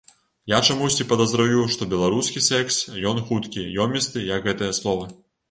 Я чамусьці падазраю, што беларускі секс ён хуткі, ёмісты, як гэтае слова.